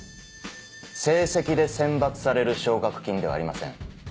成績で選抜される奨学金ではありません。